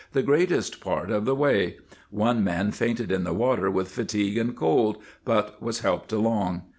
the greatest part of the way. .. One man fainted in the water with fatigue and cold, but was helped along.